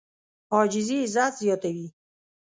عاجزي عزت زیاتوي.